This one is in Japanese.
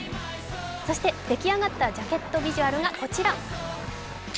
そして出来上がったジャケットビジュアルがこちら。